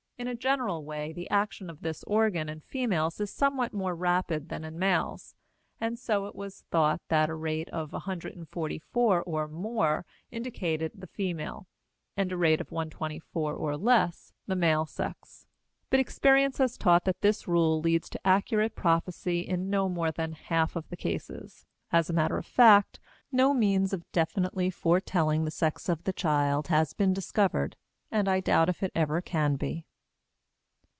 In a general way, the action of this organ in females is somewhat more rapid than in males; and so it was thought that a rate of 144 or more indicated the female and a rate of 124 or less the male sex. But experience has taught that this rule leads to accurate prophecy in no more than half of the cases. As a matter of fact, no means of definitely foretelling the sex of the child has been discovered, and I doubt if it ever can be.